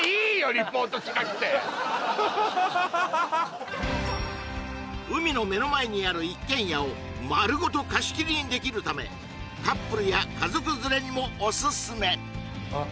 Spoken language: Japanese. リポートしなくてフハハハハハ海の目の前にある一軒家を丸ごと貸し切りにできるためカップルや家族連れにもおすすめあっ